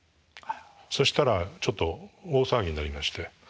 そしたらちょっと大騒ぎになりまして。